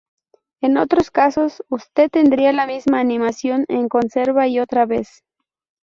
En otros casos, usted tendría la misma animación en conserva y otra vez.